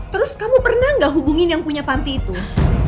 terus kamu pernah nggak hubungin yang punya panti itu